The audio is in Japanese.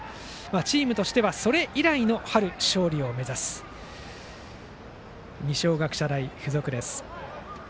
チームとしてはそれ以来の春、勝利を目指す二松学舎大付属です。